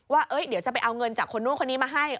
ว่าเดี๋ยวจะไปเอาเงินจากคนนู้นคนนี้มาให้